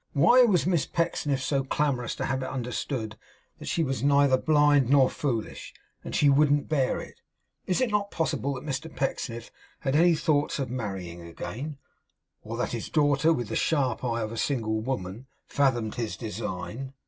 Why was Miss Pecksniff so clamorous to have it understood that she was neither blind nor foolish, and she wouldn't bear it? It is not possible that Mr Pecksniff had any thoughts of marrying again; or that his daughter, with the sharp eye of a single woman, fathomed his design!